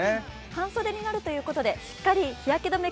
半袖になるということでしっかり日焼け止め